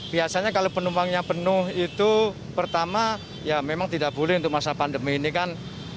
biasanya kalau penumpangnya penuh itu pertama ya memang tidak boleh untuk masa pandemi ini kan